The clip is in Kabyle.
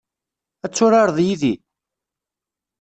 Ad turareḍ yid-i?